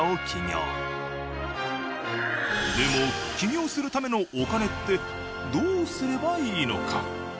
でも起業するためのお金ってどうすればいいのか。